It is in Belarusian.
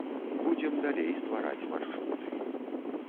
Будзем далей ствараць маршруты.